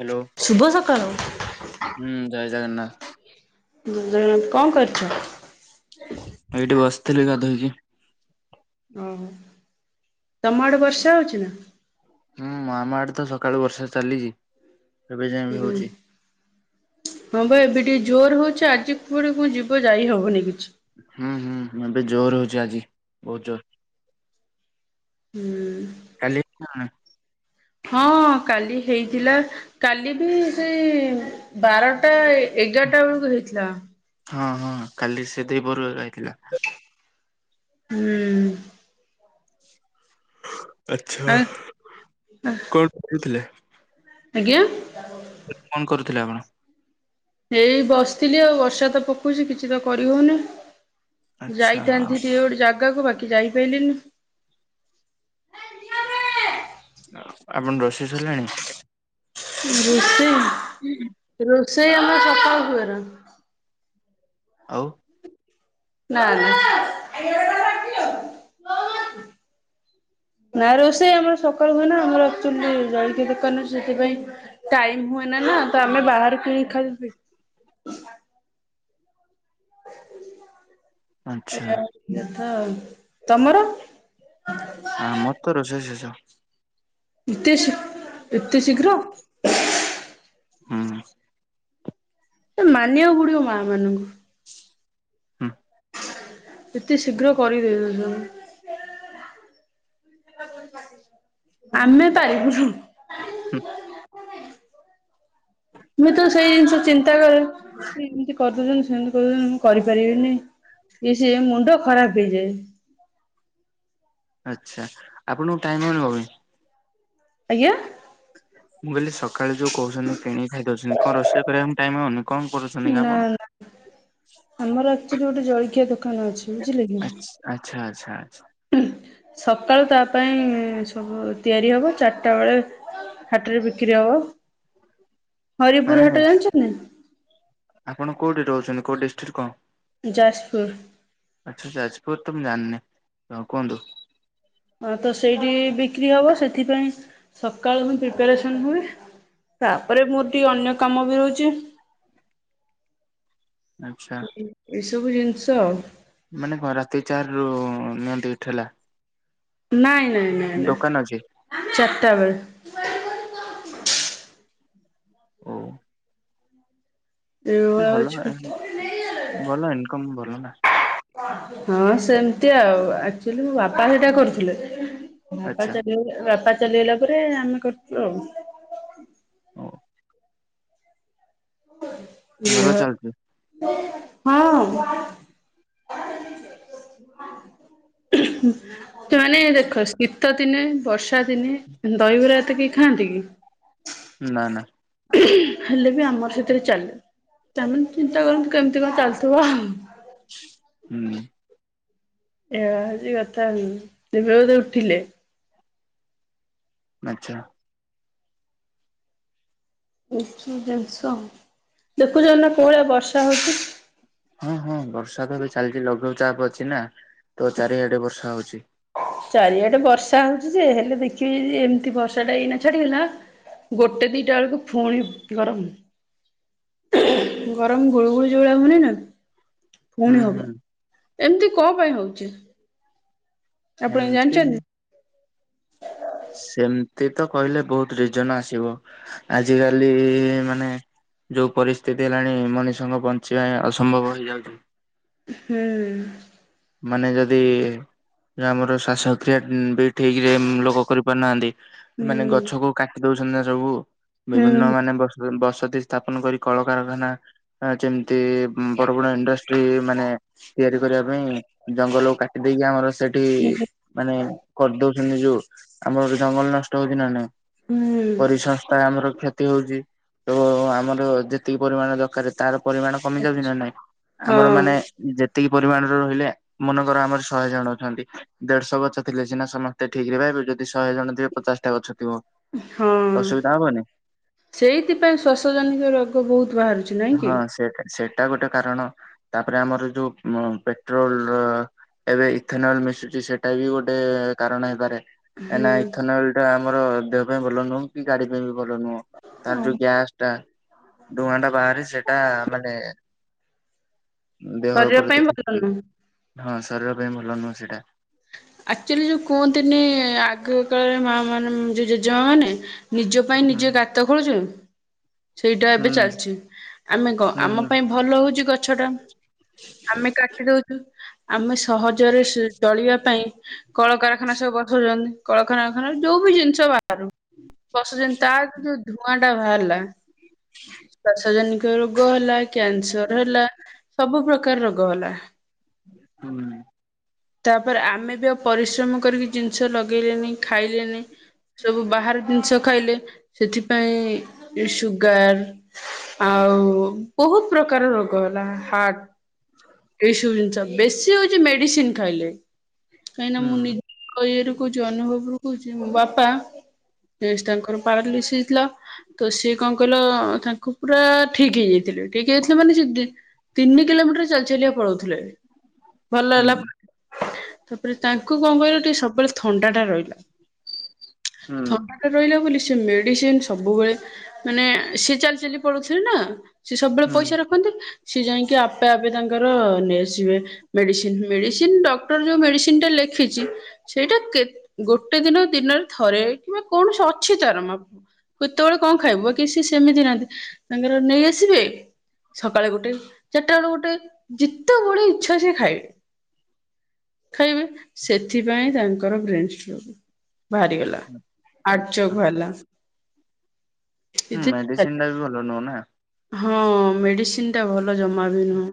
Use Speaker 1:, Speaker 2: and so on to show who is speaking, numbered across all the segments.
Speaker 1: Hello.
Speaker 2: ଶୁଭ ସକାଳୁ।
Speaker 1: ହୁଁ ଜୟ ଜଗନ୍ନାଥ
Speaker 2: ଜଗନ୍ନାଥ୍ କଣ କରଛୁ?
Speaker 1: ଏଇଠି ବସିଥିଲି ଗାଧୋଇକି।
Speaker 2: ଓ ତମ ଆଡେ ବର୍ଷା ହଉଛି ନା?
Speaker 1: ହୁଁ ଆମ ଆଡେ ତ ସକାଳୁ ବର୍ଷା ଚାଲିଛି ଏବେ ଯାଏଁ ବି
Speaker 2: ହୁଁ।
Speaker 1: ହଉଛି।
Speaker 2: ହଁ ଭାଇ ଏବେ ଟିକେ ଜୋର ହଉଛି ଆଜି କୁଆଡେ କ ଯିବ ଯାଇ ହବନି କିଛି।
Speaker 1: ହୁଁ ହୁଁ ଏବେ ଜୋର ହଉଛି ଆଜି ବହୁତ ଜୋର।
Speaker 2: ହୁଁ।
Speaker 1: କାଲି [unintelligible]
Speaker 2: ହଁ କାଲି ହେଇଥିଲା କାଲି ବି ସେଇ ବାରଟା ଏଗାରଟା ବେଳକୁ ହେଇଥିଲା।
Speaker 1: ହଁ ହଁ କାଲି ସେତିକି [unintelligible] ଆଇଥିଲା।
Speaker 2: ହୁଁ। ଆ
Speaker 1: ଆଛା କଣ କରୁଥିଲେ?
Speaker 2: ଆଜ୍ଞା?
Speaker 1: କଣ କରୁଥିଲେ ଆପଣ?
Speaker 2: ଏଇ ବସିଥିଲି ଆଉ ବର୍ଷା ତ ପକଉଛି କିଛି ତ କରିହଉନି।
Speaker 1: ଆଚ୍ଛା
Speaker 2: ଯାଇଥାନ୍ତି ଟିକେ ଗୋଟେ ଜାଗାକୁ ବାକି ଯାଇପାରିଲିନି।
Speaker 1: ଆପଣ [unintelligible]
Speaker 2: [unintelligible] ରୋଷେଇ ଆମ ସକାଳ ହୁଏ ନା।
Speaker 1: ଆଉ?
Speaker 2: ନା ନା।
Speaker 1: [inaudible]
Speaker 2: ନା ରୋଷେଇ ଆମର ସକାଳୁ ହୁଏ ନା ଆମର ଅକଚୁଆଲି ଜଳିକିଆ ଦୋକାନ ସେଥିପାଇଁ। ଟାଇମ ହୁଏ ନା ନା ତ ଆମେ ବାହାରାରୁ କିଣି ଖାଇ ହ
Speaker 1: ଆଚ୍ଛା।
Speaker 2: ହ୍ୟାଲୋ ହଁ ତମର
Speaker 1: ଆମର ତ ରୋଷେଇ ଶେଷ।
Speaker 2: ଏତେ ଶୀ ଏତେ ଶୀଘ୍ର
Speaker 1: ହୁଁ
Speaker 2: ଏ ମାନିବାକୁ ପଡ଼ିବ ମା ମାନଙ୍କୁ।
Speaker 1: ହୁଁ
Speaker 2: ଏତେ ଶୀଘ୍ର କରିଦେବେ ସବୁ। ଆମେ ପାଇବୁନୁ।
Speaker 1: ହୁଁ
Speaker 2: ମୁଁ ତ ସେଇ ଜିନିଷ ଚିନ୍ତା କରେ। ଏମିତି କରିଦଉଚନ୍ତି ସେମିତି କରିଦଉଚନ୍ତି। କରିପାରିବେନି କି ସେ ମୁଣ୍ଡ ଖରାପ ହେଇଯାଏ।
Speaker 1: ଆଚ୍ଛା ଆପଣଙ୍କୁ ଟାଇମ୍ [unintelligible] ହେଉନି।
Speaker 2: ଆଜ୍ଞା
Speaker 1: ମୁଁ କହିଲି ସକାଳେ ଯୋଉ କହୁଛନ୍ତି କିଣି ଖାଇ ଦଉଛନ୍ତି। କଣ ରୋଷେଇ କରିବା ପାଇଁ ଟାଇମ ହଉନି। କଣ କରୁ
Speaker 2: ନାଁ ନାଁ ଆମର ଆକ୍ଚୁଲି ଗୋଟେ ଜଳଖିଆ ଦୋକାନ ଅଛି। ବୁଝିଲେ କି।
Speaker 1: ଆଚ୍ଛା ଆଚ୍ଛା ଆଚ୍ଛା ଆଚ୍ଛା।
Speaker 2: ସକାଳୁ ତା ପାଇଁ ସବୁ ତିଆରି ହେବ। ଚାରିଟା ବେଳେ ହାଟରେ ବିକ୍ରି ହବ।
Speaker 1: ମାନେ
Speaker 2: ହରିପୁର ହାଟ ଜାଣିଚନ୍ତି।
Speaker 1: ଆପଣ କୋଉଠି ରହୁଛନ୍ତି। କୋଉ ଡିଷ୍ଟ୍ରିକ୍ଟ କଣ?
Speaker 2: ଯାଜପୁର
Speaker 1: ଆଚ୍ଛା ଯାଜପୁର ତ ମୁଁ ଜାଣିନି। ହଁ କୁହନ୍ତୁ।
Speaker 2: ହଁ ତ ସେଇଠି ବିକ୍ରି ହବ। ସେଥିପାଇଁ ସକାଳ ମୁଁ ପ୍ରିପାରେସନ୍ ହୁଏ। ତାପରେ ମୋର ଟିକେ ଅନ୍ୟ କାମ ବି ରହୁଚି।
Speaker 1: ଆଚ୍ଛା
Speaker 2: ଏଇସବୁ ଜିନିଷ
Speaker 1: ମାନେ କଣ ରାତି ଚାରିରୁ ନିଆଁ ଡେଟ୍ ହେଲା।
Speaker 2: ନାଇଁ ନାଇଁ ନାଇଁ
Speaker 1: ଦୋକାନ ଅଛି
Speaker 2: ନାଇଁ ଚାରିଟା ବେଳେ
Speaker 1: ଓ
Speaker 2: ଏଇଭଳିଆ
Speaker 1: ଭଲ
Speaker 2: ହଉଛି
Speaker 1: ଏ
Speaker 2: କଥା
Speaker 1: ଭଲ ଇନକମ୍ ଭଲ ନାଁ।
Speaker 2: ହଁ ସେମିତି ଆଉ ଆକ୍ଚୁଆଲି ବାପା ସେଇଟା କରୁଥିଲେ। ବାପା
Speaker 1: ଆଚ୍ଛା।
Speaker 2: ଚାଲିଗଲେ ବାପା ଚାଲିଗଲା ପରେ ଆମେ କରୁଚୁ ଆଉ।
Speaker 1: ଓ ଭଲ ଚାଲୁଛି
Speaker 2: [unintelligible] ହଁ ସେମାନେ ଦେଖ ଶୀତ ଦିନେ ବର୍ଷ୍ ବର୍ଷା ଦିନେ ଦହିବରା ଏତେ କିଏ ଖାଆନ୍ତି କି?
Speaker 1: ନାଁ ନାଁ
Speaker 2: ହେଲେ ବି ଆମର ସେଥିରେ ଚାଲେ। ତାମାନେ ଚିନ୍ତା କରନ୍ତୁ କେମିତି କଣ ଚାଲିଥିବ ଆଉ।
Speaker 1: ହୁଁ
Speaker 2: ଏଇଆ ହଉଚି କଥା ଆଉ। ଯେତେବେଳେ ସିଏ ଉଠିଲେ।
Speaker 1: ଆଚ୍ଛା
Speaker 2: ଏ ସବୁ ଜିନିଷ ଦେଖୁଚନ୍ତି ନାଁ କୋଉ ଭଳିଆ ବର୍ଷା ହଉଛି।
Speaker 1: ହଁ ହଁ ବର୍ଷା ତ ଏବେ ଚାଲିଚି ଲଘୁଚାପ ଅଛି ନା ତ ଚାରିଆଡେ ବର୍ଷା ହଉଛି।
Speaker 2: ଚାରିଆଡେ ବର୍ଷା ହଉଚି ଯେ ହେଲେ ଦେଖିବି ଏମିତି ବର୍ଷାଟା ଏଇନା ଛାଡିଗଲା। ଗୋଟେ ଦିଟା ବେଳକୁ ଫୁଣି ଗରମ। ଗରମ ଗୁଳୁଗୁଳିଆ ଯୋଉଭଳିଆ ହଉନି ନା। ପୁଣି
Speaker 1: ହୁଁ ହୁଁ
Speaker 2: ହବ ଏମିତି କଁ ପାଇଁ ହଉଛି? ଆପଣ ଏମିତି ଜାଣିଛନ୍ତି?
Speaker 1: ସେମିତି ତ କହିଲେ ବହୁତ ରିଜନ ଆସିବ। ଆଜିକାଲି ମାନେ ଯୋଉ ପରିସ୍ଥିତି ହେଲାଣି ମଣିଷଙ୍କ ବଞ୍ଚିବା ଅସମ୍ଭବ ହେଇଯାଉଛି।
Speaker 2: ହୁଁ।
Speaker 1: ମାନେ ଯଦି ଆମର ଶ୍ୱାସକ୍ରିୟା ବି ଠିକ୍ ରେ ଲୋକ କରିପାରୁନାହାନ୍ତି। ମାନେ
Speaker 2: ହୁଁ।
Speaker 1: ଗଛକୁ କାଟି ଦଉଛନ୍ତି ନା ସବୁ ବିଭିନ୍ନ
Speaker 2: ହୁଁ
Speaker 1: ମାନେ ବ ବସତି ସ୍ଥାପନ କରି କଳକାରଖାନା ଯେମିତି ବଡ ବଡ ଇଣ୍ଡ ଷ୍ଟ୍ରୀ ମାନେ ତିଆରି କରିବା ପାଇଁ ଜଙ୍ଗଲକୁ କାଟି ଦେଇେଇକି ଆମର ସେଠି ମାନେ କରିଦଉଛନ୍ତି ଯୁ ଆମର ଗୋଟେ ଜଙ୍ଗଲ ନଷ୍ଟ ହଉଛି ନା ନାଇଁ?
Speaker 2: ହୁଁ
Speaker 1: ପରିସଂସ୍ଥା ଆମର କ୍ଷତି ହଉଛି ତ ଆମର ଯେତିକି ପରିମାଣ ଦରକାର ତାର ପରିମାଣ କମି ଯାଉଛି
Speaker 2: ଆଛା
Speaker 1: ନା ନାଇଁ ଆମର
Speaker 2: ହଁ
Speaker 1: ମାନେ ଯେତିକି ପରିମାଣ ରହିଲେ ମନେକର ଆମର ଶହେ ଜଣ ଅଛନ୍ତି। ଦେଢଶହ ଗଛ ଥିଲେ ସିନା ସମସ୍ତେ ଠିକ ଏବେ ଯଦି ଶହେ ଜଣ ଥିବେ ପଚାଶଟା ଗଛ ଥିବ। ଅସୁବିଧା
Speaker 2: ହଁ।
Speaker 1: ହବନି
Speaker 2: ସେଇଥିପାଇଁ ଶ୍ୱାସଜନିତ ରୋଗ ବହୁତ ବାହାରୁଛି ନାଇଁ କି।
Speaker 1: Set set. ଏଟା ଗୋଟେ କାରଣ ତାପରେ ଆମର ଯୋଉ ପେଟ୍ରୋଲ ଏବେ ଇଥେନଲ ମିଶୁଛି ସେଟା ବି ଗୋଟେ କାରଣ ହେଇପାରେ।
Speaker 2: ହୁଁ
Speaker 1: ଏଇନା ଇଥନଲ ଟା ଆମର ଦେହ ପାଇଁ ଭଲ ନୁହଁ କି ଗାଡି ପାଇଁ ବି ଭଲ ନୁହଁ। ତାର ଯୋଉ ଗ୍ୟାସ ଟା ଧୂଆଁ ଟା ବାହାରି ସେଟା ମାନେ ଦେହ
Speaker 2: ଶରୀର ପାଇଁ
Speaker 1: ପ୍ରତି
Speaker 2: ଭଲ ନୁହଁ।
Speaker 1: ହଁ ଶରୀର ପାଇଁ ଭଲ ନୁହଁ ସେଇଟା।
Speaker 2: ଆର୍ଚୋଲି ଯୋଉ କୁହନ୍ତିନି ଆଗ କାଳରେ ମା ମାନ ଯୋଉ ଜେଜମା ମାନେ। ନିଜ ପାଇଁ
Speaker 1: ହୁଁ
Speaker 2: ନିଜେ ଗାତ ଖୋଳୁଛ ସେଇଟା ଏବେ
Speaker 1: ହୁଁ
Speaker 2: ଚାଲିଛି ଆମେ କଁ ଆମ
Speaker 1: ହୁଁ
Speaker 2: ପାଇଁ ଭଲ ହଉଛି ଗଛ ଟା ଆମେ କାଟି ଦଉଛୁ ଆମେ ସହଜରେ ଜଳିବା ପାଇଁ କଳକାରଖାନା ସବୁ ବଠଉଛନ୍ତି କଳକାରଖାନାରେ ଯୋଉ ବି ଜିନିଷ ବା [unintelligible] ବସୁଛନ୍ତି ତାଠୁ ଯୋଉ ଧୂଆଁ ଟା ବାହାରିଲା ଶ୍ୱାସଜନିତ ରୋଗ ହେଲା, କ୍ୟାନସର ହେଲା, ସବୁ ପ୍ରକାର ରୋଗ ହେଲା।
Speaker 1: ହୁଁ।
Speaker 2: ତାପରେ ଆମେ ବି ଆଉ ପରିଶ୍ରମ କରିକି ଜିନିଷ ଲଗେଇଲେନି, ଖାଇଲେନି ସବୁ ବାହାର ଜିନିଷ ଖାଇଲେ ସେଥିପାଇଁ ସୁଗାର। ଆଉ ବହୁତ ପ୍ରକାର ରୋଗ ହେଲା ହାର୍ଟ। ଏସବୁ ଜିନିଷ ବେଶୀ ହଉଛି। ମେଡିସିନ ଖାଇଲେ କାହିଁକିନା
Speaker 1: ହୁଁ
Speaker 2: ମୁଁ କଏରୁ କହୁଛି ଅନୁଭବ ରୁ କହୁଛି ମୋ ବାପା [unintelligible] ତାଙ୍କର ପାାରାଲିଶି ହେଇଥିଲା। ତ ସିଏ କଣ କହିଲ ତାଙ୍କୁ ପୁରା ଠିକ୍ ହେଇଯାଇଥିଲେ ଠିକ୍ ହେଇଥିଲା ମାନେ ଯି ତିନି କିଲୋମିଟର ଚାଲି ଚାଲି ବା ପଳଉଥିଲେ ଭଲ
Speaker 1: ହୁଁ
Speaker 2: ହେଲା। ପରେ ତାପରେ ତାଙ୍କୁ କଣ କହିଲୁ ଟିକେ ସବୁବେଳେ ଥଣ୍ଡା ଟା ରହିଲା।
Speaker 1: ହୁଁ
Speaker 2: ଥଣ୍ଡା ରହିଲା ବୋଲି ସେ ମେଡିସିନ ସବୁବେଳେ ମାନେ ସିର ଚାଲି ଚାଲି ପଳଉଥିଲେ ନା। ସିଏ ସବୁବେଳେ
Speaker 1: ହୁଁ
Speaker 2: ପଇସା ରଖନ୍ତେ ସିଏ ଯାଇକି ଆପେ ଆପେ ତାଙ୍କର ନେଇ ଆସିବେ ମେଡିସିନ ମେଡିସିନ୍। ଜୀମିତ୍ ଡକ୍ଟର ଯୋଉ ମେଡ଼ିସିନ୍ ଟା ଲେଖିଛି। ସେଇଟା କେ ଗୋଟେ ଦିନ ଦିନରେ ଥରେ କିମ୍ବା କୌଣସି ଅଛି ତାରଣ। କେତେବେଳେ କଣ ଖାଇବ କି ସେ ସେମିତି ନାହାନ୍ତି ତାଙ୍କର ନେଇ ଆସିବେ ସକାଳେ ଗୋଟେ ଚାରଟା ବେଳେ ଗୋଟେ ଯେତେ ବେଳେ ଇଚ୍ଛା ସେ ଖାଇବେ। ଖାଇବେ ସେଥିପାଇଁ ତାଙ୍କର ବ୍ରେନ ଷ୍ଟୋକ ବାହାରିଗଲା।
Speaker 1: ହୁଁ
Speaker 2: ହାର୍ଟ
Speaker 1: ଆଚ୍ଛା
Speaker 2: ଚୋକ ବାହାରିଲା।
Speaker 1: ହୁଁ
Speaker 2: ସେଥିରେ
Speaker 1: ମେଡିସିନ ଟା ବି ଭଲ ନୁହଁ ନା।
Speaker 2: ହଁ ମେଡିସିନ ଟା ଭଲ ଜମା ବି ନୁହଁ।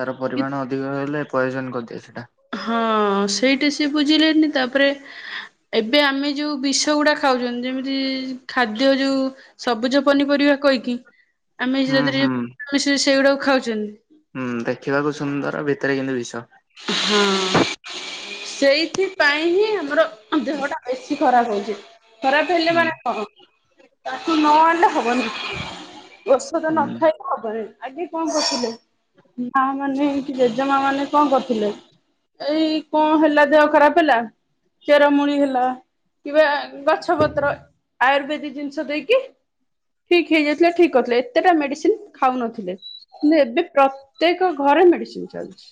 Speaker 1: ତାର
Speaker 2: କି-
Speaker 1: ପରିମାଣ ଅଧିକ ହେଲେ ପୟଜନ କରିଦିଏ ସେଇଟା।
Speaker 2: ହଁ ସେଇଟା ସିଏ ବୁଝିଲେନି ତା ପରେ। ଏବେ ଆମେ ଯୋଉ ବିଷ ଗୁଡା ଖାଉଛନ୍ତି ଯେମିତି ଖାଦ୍ୟ ଯୋଉ ସବୁଜ ପନିପରିବା କହିକି ଆମେ
Speaker 1: ହୁଁ
Speaker 2: ତା ଦେହରେ
Speaker 1: ହୁଁ
Speaker 2: ମିଶ ସେଇଗୁଡ଼ାକୁ ଖାଉଛନ୍ତି।
Speaker 1: ହୁଁ ଦେଖିବାକୁ ସୁନ୍ଦର ଭିତରେ କିନ୍ତୁ ବିଷ।
Speaker 2: ହଁ ସେଇଥିପାଇଁ ହିଁ ଆମର ଦେହ ଟା ବେଶୀ ଖରାପ ହଉଛି ଖରାପ ହେଲେ
Speaker 1: ହୁଁ
Speaker 2: ମାନେ କଣ ତାକୁ ନ ଆଣିଲେ ହବନି ଔଷଧ ନ
Speaker 1: ହୁଁ
Speaker 2: ଖାଇଲେ ହବନି ଆଗେ କଣ କରୁଚି ଦେଖ। ମା ମାନେ କି ଜେଜେମା ମାନେ କଣ କରୁଥିଲେ। ଏଇ କଣ ହେଲା ଦେହ ଖରାପ ହେଲା ଚେରମୁଳି ହେଲା। କିବା ଗଛ ପତ୍ର ଆୟୁର୍ବେଦିକ ଜିନିଷ ଦେଇକି ଠିକ ହେଇଯାଇଥିଲେ ଠିକ କରିଥିଲେ ଏତେଟା ମେଡିସିନ ଖାଉନଥିଲେ। କିନ୍ତୁ ଏବେ ପ୍ରତ୍ୟେକ ଘରେ ମେଡିସିନ ଚାଲିଛି।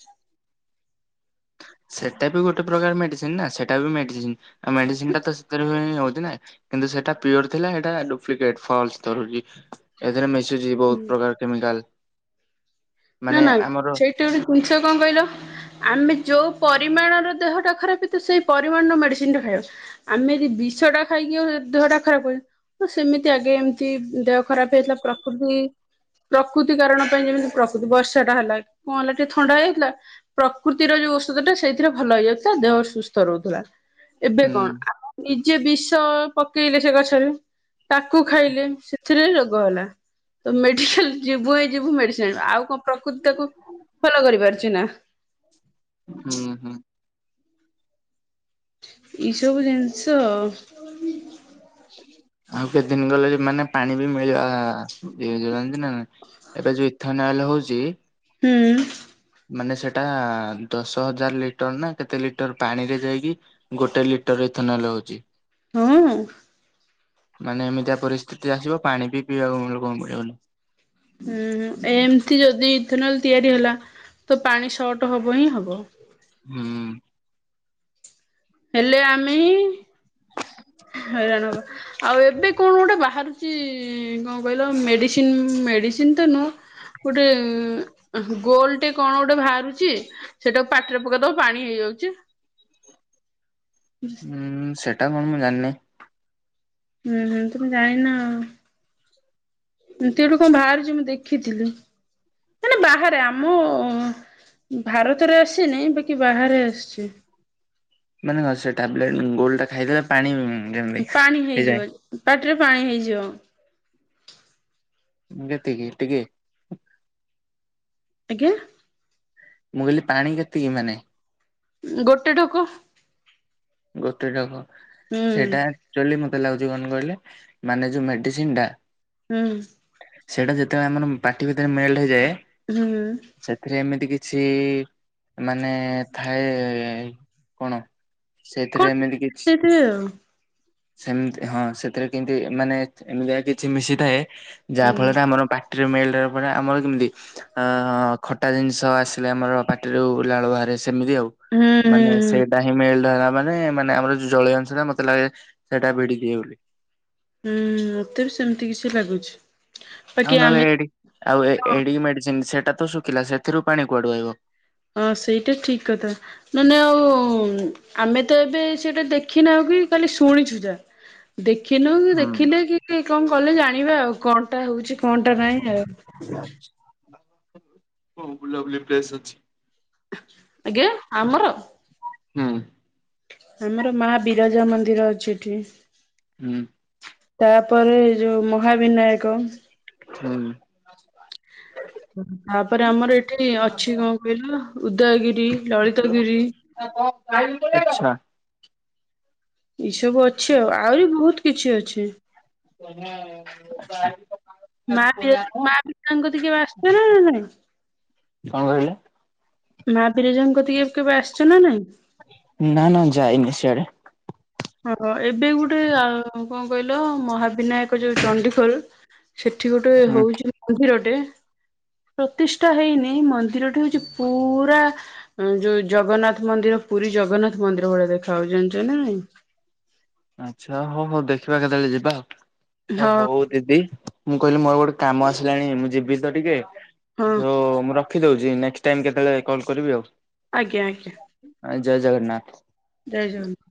Speaker 1: ସେଟା ବି ଗୋଟେ ପ୍ରକାର ମେଡିସିନ ନା ସେଟା ବି ମେଡିସିନ ଆଉ ମେଡିସିନ ଟା ତ ସେଥିରେ ହଉଛି ନାଁ। କିନ୍ତୁ ସେଟା ପିଓର ଥିଲା ଏଇଟା ଡୁପ୍ଲିକେଟ ଫଲସ ଧରୁଛି। ଏଥିରେ ମିଶୁଛି ବହୁତ ପ୍ରକାର କେମିକାଲ।
Speaker 2: ନା
Speaker 1: ମାନେ
Speaker 2: ନା
Speaker 1: ଆମର
Speaker 2: ସେଇଠି ଗୋଟେ ଜିନିଷ କଣ କହିଲ। ଆମେ ଯୋଉ ପରିମାଣର ଦେହ ଟା ଖରାପ ତ ସେଇ ପରିମାଣର ମେଡିସିନ ଟା ଖାଇବା କଥା। ଆମେ ଯଦି ବିଷ ଟା ଖାଇକି ଦେହ ଟା ଖରାପ କରିବା। ହ ସେମିତି ଆଗେ ଏମିତି ଦେହ ଖରାପ ହେଇଥିଲା ପ୍ରକୃତି ପ୍ରକୃତି କାରଣ ପାଇଁ ଯେମିତି ପ୍ରକୃତି ବର୍ଷା ଟା ହେଲା କଣ ହେଲା ଟିକେ ଥଣ୍ଡା ହେଇଯାଇଥିଲା। ପ୍ରକୃତିର ଯୋଉ ଔଷଧ ଟା ସେଇଥିରେ ଭଲ ହେଇଯାଉଥିଲା ଦେହ ସୁସ୍ଥ ରହୁଥିଲା ଏବେ
Speaker 1: ହୁଁ
Speaker 2: କଣ ନିଜେ ବିଷ ପକେଇଲେ ସେ ଗଛରେ ତାକୁ ଖାଇଲେ ସେଥିରେ ରୋଗ ହେଲା। ତ ମେଡିସିଲ ଯିବୁ ହିଁ ଯିବୁ ମେଡିସିନ ଆଉ କଣ ପ୍ରକୃତି ତାକୁ ଭଲ କରିପାରୁଛି ନା।
Speaker 1: ହୁଁ ହୁଁ।
Speaker 2: ଏଇସବୁ ଜିନିଷ ଆଉ।
Speaker 1: ଆଉ କେତେ ଦିନ ଗଲେ ମାନେ ପାଣି ବି ମିଳିବା ଇଏ ହେଇଯିବ ଜାଣିଚୁ ନା ନାହିଁ। ଏବେ ଯୋଉ ଇଥନଲ ହଉଛି।
Speaker 2: ହୁଁ।
Speaker 1: ମାନେ ସେଟା ଦଶ ହଜାର ଲିଟର ନା କେତେ ଲିଟର ପାଣିରେ ଯାଇକି ଗୋଟେ ଲିଟର ଇଥେନଲ ହଉଛି।
Speaker 2: ହୁଁ।
Speaker 1: ମାନେ ଏମିତିଆ ପରିସ୍ଥିତି ଆସିବ ପାଣି ବି ପିଇବାକୁ କଣ ଲୋକଙ୍କୁ ମିଳିବନି।
Speaker 2: ହୁଁ ଏମତି ଯଦି ଇଥେନଲ ତିଆରି ହେଲା ତ ପାଣି ସର୍ଟ ହବ ହିଁ ହବ।
Speaker 1: ହୁଁ।
Speaker 2: ହେଲେ ଆମେ ହିଁ ହଇରାଣ ହବା। ଆଉ ଏବେ କଣ ଗୋଟେ ବାହାରିଛି କଣ କହିଲ ମେଡ଼ିସିନ ମେଡ଼ିସିନ ତ ନୁହଁ। ଗୋଟେ ଗୋଲ ଟେ କଣ ଗୋଟେ ବାହାରୁଛି। ସେଟାକୁ ପାଟିରେ ପକେଇ ଦବ ପାଣି ହେଇଯାଉଛି।
Speaker 1: ହୁଁ ସେଟା କଣ ମୁଁ ଜାଣିନି।
Speaker 2: ହୁଁ ହୁଁ ତମେ ଜାଣିନ। ତଇଠୁ କଣ ବାହାରୁଛି ମୁଁ ଦେଖିଥିଲି। ମେ ବାହାରେ ଆମ ଭାରତରେ ଆସିନିଁ ବାକି ବାହାରେ ଆସିଛି।
Speaker 1: ମାନେ ସେ ଟାବଲେଟ ଗୋଲ ଟା ଖାଇଦେଲେ ପାଣି ଯେମତି
Speaker 2: ପାଣି ହେଇଯିବ
Speaker 1: ହେଇଯାଏ।
Speaker 2: ପାଟିରେ ପାଣି ହେଇଯିବ।
Speaker 1: ଯେତିକି ଏ ଟିକେ
Speaker 2: ଆଜ୍ଞା।
Speaker 1: ମୁଁ କହିଲି ପାଣି ଯେତିକି ମାନେ
Speaker 2: ଗୋଟେ ଠୋକ।
Speaker 1: ଗୋଟେ ଧୋକ
Speaker 2: ହୁଁ
Speaker 1: ସେଇଟା ଏକ୍ଟୁଏଲୀ ମତେ ମୋତେ ଲାଗୁଛି କଣ କହିଲେ ମାନେ ଯୋଉ ମେଡିସିନ ଟା।
Speaker 2: ହୁଁ।
Speaker 1: ସେଇଟା ଯେତେବେଳେ ଆମର ପାଟି ଭିତରେ ମେଲ ହେଇଯାଏ।
Speaker 2: ହୁଁ।
Speaker 1: ସେଥିରେ ଏମିତି କିଛି ମାନେ ଥାଏ କଣ? ସେଥିରେ
Speaker 2: କଣ
Speaker 1: ଏମିତି କିଛି
Speaker 2: ଦେଇଥିବେ ଆଉ
Speaker 1: ସେମତି ହଁ ସେଥିରେ କେମିତି ମାନେ ଏମିତିଆ କିଛି ମିଶିଥାଏ
Speaker 2: ହୁଁ
Speaker 1: ଯାହା ଫଳରେ
Speaker 2: ହୁଁ
Speaker 1: ଆମର ପା ପାଟିରେ ମେଲ୍ଟ ହେବା ପରେ ଆମର କେମିତି ହଁ ହଁ ଖଟା ଜିନିଷ ଆସିଲେ ଆମର ପାଟିରୁ ଲାଳ ବାହାରେ ସେମିତି ଆଉ।
Speaker 2: ହୁଁ
Speaker 1: ମାନେ
Speaker 2: ହୁଁ।
Speaker 1: ସେଇଟା ହିଁ ମଳି ଧ ମାନେ ମାନେ ଆମର ଯୋଉ ଜଳୀୟ ଅଂଶ ଟା ମତେ ଲାଗେ ସେଇଟା ଭିଡିକି ହୁଏ।
Speaker 2: ହୁଁ ତେବେ ସେମିତି କିଛି ଲାଗୁଛି।
Speaker 1: ଆଉ
Speaker 2: ବାକି
Speaker 1: ନହେଲେ
Speaker 2: ଆମେ
Speaker 1: ଏ ଆଉ ଏଡି ମେଡିସିନ ସେଟା ତ ଶୁଖିଲା ସେଥିରୁ ପାଣି କୁଆଡୁ ଆଇବ।
Speaker 2: ହଁ ସେଇଟା ଠିକ କଥା। ନ ନେ ଆଉ ଆମେ ତ ଏବେ ସେଟା ଦେଖି ନାଉ କି କାଲି ଶୁଣିଛୁ ଯା। ଦେଖିନୁ କି ଦେଖିଲେ କି କଣ କଲେ ଜାଣିବା ଆଉ କଣ? କଣଟା ହଉଛି କଣଟା ନାଇଁ ଆଉ
Speaker 1: ହଉ ବୁଲାବୁଲି ପ୍ର୍ଲେସ୍ ଅଛି।
Speaker 2: ଆଜ୍ଞା ଆମର।
Speaker 1: ହୁଁ।
Speaker 2: ଆମର ମା ବିରଜା ମନ୍ଦିର ଅଛି ଏଠି।
Speaker 1: ହୁଁ।
Speaker 2: ତାପରେ ଯୋଉ ମହାବିନାୟକ।
Speaker 1: ହୁଁ।
Speaker 2: ତାପରେ ଆମର ଏଠି ଅଛି କଣ କହିଲ ଉଦୟଗିରି ଲଳିତଗିରି।
Speaker 1: [inaudible]
Speaker 2: ଏଇ ସବୁ ଅଛି ଆଉ ଆହୁରି ବହୁତ କିଛି ଅଛି।
Speaker 1: [unintelligible]
Speaker 2: ମା ପି ମା ପତାଙ୍କ ଟିକେ ବାସୁଛ ନା ନାଇଁ।
Speaker 1: କଣ କହିଲେ?
Speaker 2: ମା ବିରଜା ଙ୍କ କତିକି କେବେ ଆସିଛ ନା ନାଇଁ।
Speaker 1: ନା ନା ଯାଇନି ସେଆଡେ।
Speaker 2: ହଁ ଏବେ ଗୁଟେ ଆ, କଣ କହିଲ ମହାବିନାୟକ ଯୋଉ ଚଣ୍ଡିଖୋଲ। ସେଠି ଗୋଟେ
Speaker 1: ହୁଁ
Speaker 2: ହଉଛି ମନ୍ଦିରଟେ। ପ୍ରତିଷ୍ଠା ହେଇନି ମନ୍ଦିରଟି ହଉଛି ପୁରା ଉ, ଯୋଉ ଜଗନ୍ନାଥ ମନ୍ଦିର ପୁରୀ ଜଗନ୍ନାଥ ମନ୍ଦିର ଭଳିଆ ଦେଖା ହଉ ଜାଣିଚ ନା ନାଇଁ।
Speaker 1: ଆଚ୍ଛା ହଉ ହଉ ଦେଖିବା କେତେବେଳେ ଯିବା ଆଉ
Speaker 2: ହଁ
Speaker 1: ହଉ ହଉ। ଦିଦି ମୁଁ କହିଲି ମୋର ଗୋଟେ କାମ ଆସିଲାଣି ମୁଁ ଯିବି ତ ଟିକେ
Speaker 2: ହଁ
Speaker 1: ଯୋଉ ମୁଁ ର ଖିଦଉଛି ନେକ୍ସଟ୍ ଟାଇମ୍ କେତେବେଳେ କଲ୍ କରିବି ଆଉ।
Speaker 2: ଆଜ୍ଞା, ଆଜ୍ଞା।
Speaker 1: ଅ, ଜୟ ଜଗନ୍ନାଥ।
Speaker 2: ଜୟ ଜଗନ